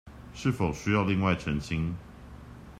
是否需要另外澄清